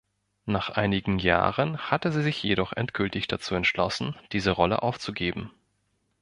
Nach einigen Jahren hatte sie sich jedoch endgültig dazu entschlossen, diese Rolle aufzugeben.